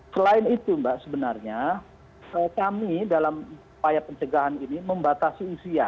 selain itu mbak sebenarnya kami dalam upaya pencegahan ini membatasi usia